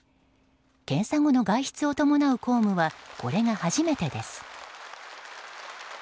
検査後の外出を伴う公務はこれが初めてです。